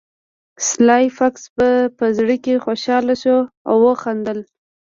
سلای فاکس په زړه کې خوشحاله شو او وخندل